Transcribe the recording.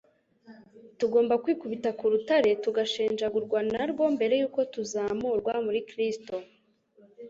Tugomba kwikubita ku Rutare tugashenjagurwa na rwo mbere y'uko tuzamurwa muri Kristo